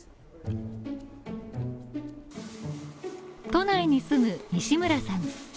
都内に住む西村さん。